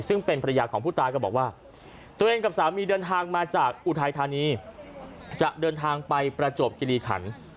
ซึ่งเป็นภรรยาของผู้ตายก็บอกว่าตัวเองกับสามีเดินทางมาจากอุทัยธานีจะเดินทางไปประจวบคิริขัน